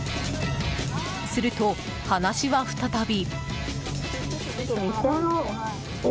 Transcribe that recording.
すると、話は再び。